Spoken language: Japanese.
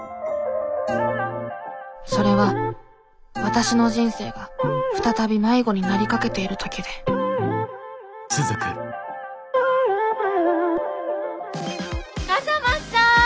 それはわたしの人生が再び迷子になりかけている時で笠松さん！